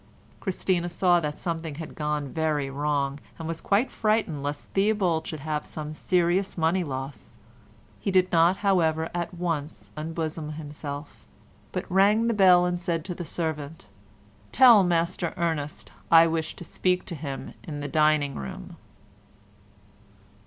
Christina saw that something had gone very wrong, and was quite frightened lest Theobald should have heard of some serious money loss; he did not, however, at once unbosom himself, but rang the bell and said to the servant, "Tell Master Ernest I wish to speak to him in the dining room."